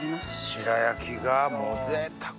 白焼きがもうぜいたく。